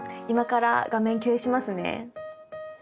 今から画面共有しますね。